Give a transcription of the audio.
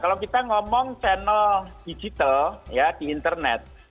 kalau kita ngomong channel digital ya di internet